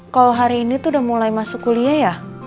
kalau hari ini tuh udah mulai masuk kuliah ya